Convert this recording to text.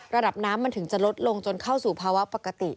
ระดับน้ำมันถึงจะลดลงจนเข้าสู่ภาวะปกติ